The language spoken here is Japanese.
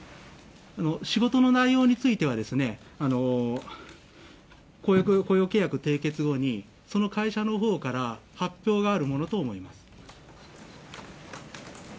仕事の内容については、雇用契約締結後に、その会社のほうから発表があるものと思います。